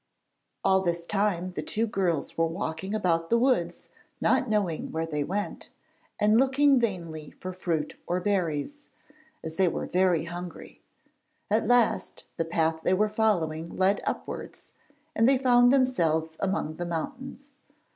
All this time the two girls were walking about the woods not knowing where they went, and looking vainly for fruit or berries, as they were very hungry. At last the path they were following led upwards, and they found themselves among the mountains.